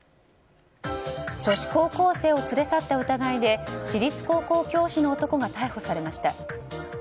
女子高校生を連れ去った疑いで私立高校教師の男が逮捕されました。